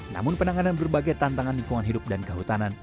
namun penanganan berbagai tantangan lingkungan hidup dan kehutanan